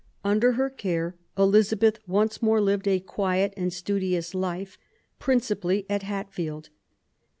Under her care Elizabeth once more lived a quiet and studious life, principally at Hatfield.